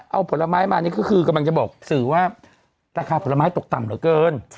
เอาผลไม้มานี่ก็คือกำลังจะบอกสื่อว่าราคาผลไม้ตกต่ำเหลือเกิน